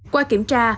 qua kiểm tra